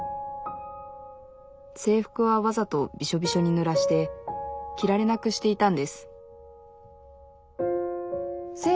制服はわざとビショビショにぬらして着られなくしていたんです